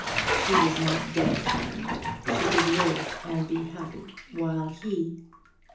She was not dead, then: she could live and be happy, while he